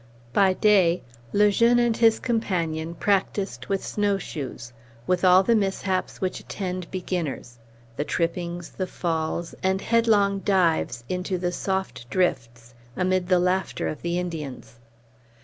Le Jeune, Relation, 1633, 14, 15. By day, Le Jeune and his companion practised with snow shoes, with all the mishaps which attend beginners, the trippings, the falls, and headlong dives into the soft drifts, amid the laughter of the Indians.